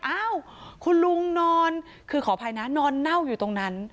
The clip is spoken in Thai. อ้าวคุณลุงนอนคือขออภัยนะนอนเน่าอยู่ตรงนั้น